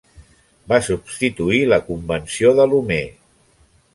Va substituir la Convenció de Lomé.